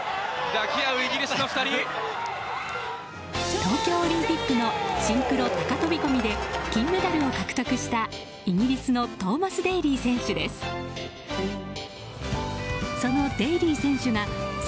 東京オリンピックのシンクロ高飛込で金メダルを獲得した、イギリスのトーマス・デイリー選手です。